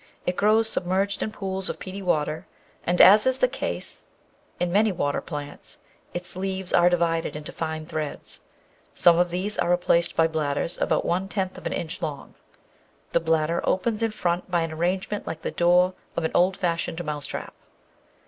It grows submerged in pools of peaty water, and, as is the case in many water plants, its leaves are divided into fine threads. Some of these are replaced by bladders about one tenth of an inch long. The bladder opens in front by an arrangement like the door of an old fashioned mouse trap.